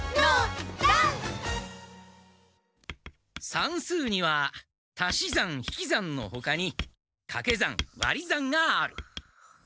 算数には足し算引き算のほかにかけ算わり算がある。